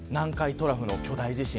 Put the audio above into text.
トラフの巨大地震